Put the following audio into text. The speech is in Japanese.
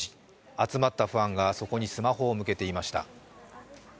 集まったファンがそこにスマホを向けていました。